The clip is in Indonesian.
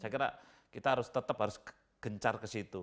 saya kira kita harus tetap harus gencar ke situ